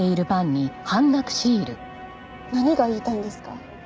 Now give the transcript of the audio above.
何が言いたいんですか？